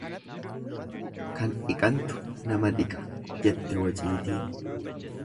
Kan dhiqantu nama dhiqa jette waciitiin.